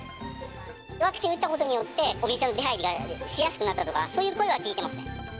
ワクチンを打ったことによって、お店の出入りがしやすくなったとか、そういう声は聞いてますね。